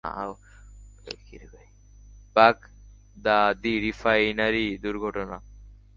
বাগদাদ্বি refinery দুর্ঘটনা।